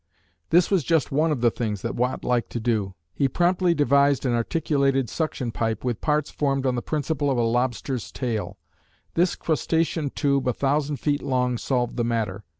This was just one of the things that Watt liked to do. He promptly devised an articulated suction pipe with parts formed on the principle of a lobster's tail. This crustacean tube a thousand feet long solved the matter.